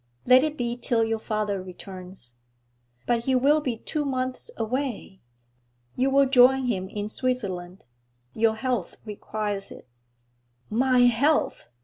'Let it be till your father returns.' 'But he will be two months away.' 'You will join him in Switzerland. Your health requires it.' 'My health!